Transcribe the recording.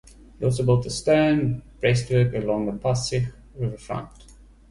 He also built a stone breastwork along the Pasig riverfront.